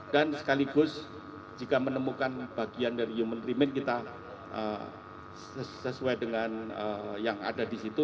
dan sekaligus jika menemukan bagian dari human remit kita sesuai dengan yang ada di situ